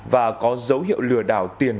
và có dấu hiệu lừa đảo tiền